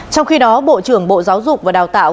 trong khi đó bộ trưởng bộ giáo dục và đào tạo